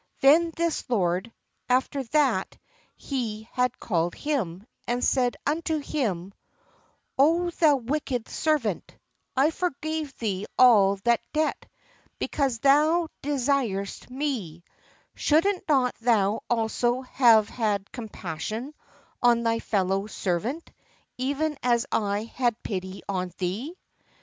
Then his lord, after that he had called him, said unto him: "O thou wicked ser vant, I forgave thee all that debt, because thou de THE LORD AND THE SERVANTS siredst me. Shouldest not thou also have had com passion on thy fellow ser vant, even as I had pity on thee?"